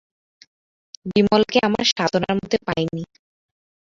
বিমলকে আমার সাধনার মধ্যে পাই নি।